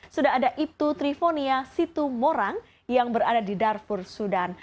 sudah ada ibtu trifonia situmorang yang berada di darfur sudan